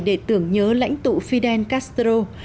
để tưởng nhớ lãnh tụ fidel castro